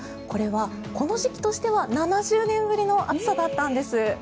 これはこの時期としては７０年ぶりの暑さだったんです。